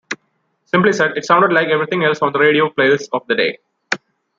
Simply said, it sounded like everything else on the radio playlists of the day.